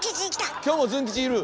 今日もズン吉いる。